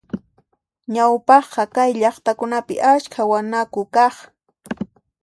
Ñawpaqqa kay llaqtakunapi askha wanaku kaq.